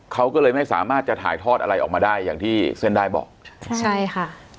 เขาก็เลยไม่สามารถจะถ่ายทอดอะไรออกมาได้อย่างที่เส้นได้บอกใช่ค่ะ